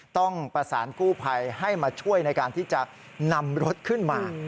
ต้องประสานกู้ภัยให้มาช่วยในการที่จะนำรถขึ้นมา